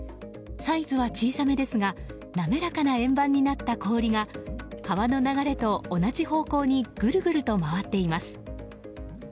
サイズは小さめですが滑らかな円盤になった氷が川の流れと同じ方向にぐるぐると回っています。